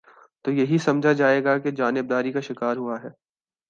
تو یہی سمجھا جائے گا کہ جانب داری کا شکار ہوا ہے۔